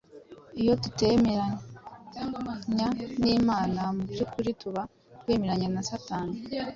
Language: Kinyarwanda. Iyo tutemeranya n’Imana mu by’ukuri tuba twemeranya na Satani